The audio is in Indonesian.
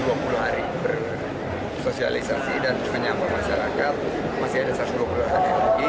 dari sosialisasi dan menyampaikan masyarakat masih ada satu ratus dua puluh hari lagi